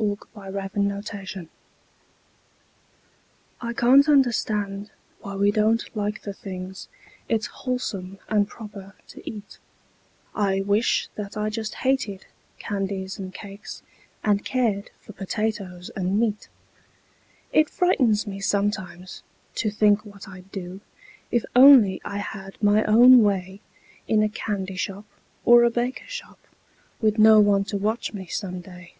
Edgar Fawcett A Sad Case I CAN'T understand why we don't like the things It's wholesome and proper to eat; I wish that I just hated candies and cakes, And cared for potatoes and meat. It frightens me sometimes, to think what I'd do, If only I had my own way In a candy shop or a baker shop, Witn no one to watch me, some day.